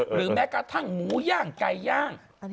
หรือแม้กระทั่งหมูย่างไก่ย่าง